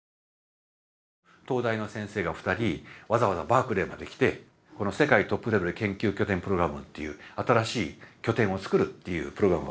東大の先生が２人わざわざバークレーまで来て世界トップレベル研究拠点プログラムっていう新しい拠点を作るっていうプログラムが生まれた。